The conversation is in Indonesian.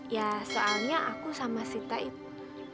ya soalnya aku sama sita itu